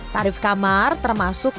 tarif kamar termasuk